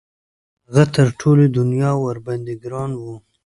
هغه تر ټولې دنیا ورباندې ګران وو.